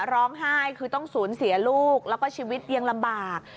ร้องไห้คือต้องสูญเสียลูกแล้วก็ชีวิตยังลำบาก